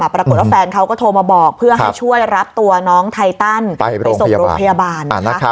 ปรากฏว่าแฟนเขาก็โทรมาบอกเพื่อให้ช่วยรับตัวน้องไทตันไปส่งโรงพยาบาล